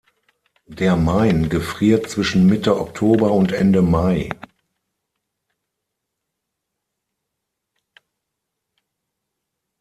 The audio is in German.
Der Main gefriert zwischen Mitte Oktober und Ende Mai.